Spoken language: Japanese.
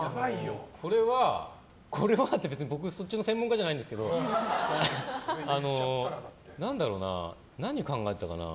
これはこれはっていうか別にそっちの専門家じゃないですけど何考えてたかな。